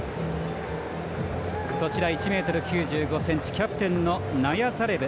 １ｍ９５ｃｍ、キャプテンのナヤザレブ。